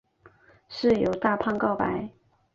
室友大胖告白。